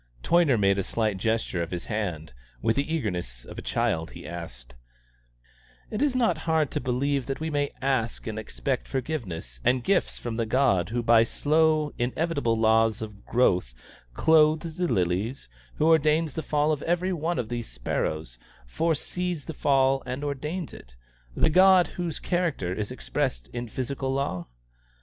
Toyner made a slight gesture of his hand. With the eagerness of a child he asked: "Is it not hard to believe that we may ask and expect forgiveness and gifts from the God who by slow inevitable laws of growth clothes the lilies, who ordains the fall of every one of these sparrows, foresees the fall and ordains it the God whose character is expressed in physical law?